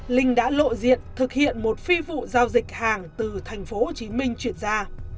linh đã lộ diện thực hiện một phi vụ giao dịch hàng từ tp hcm chuyển ra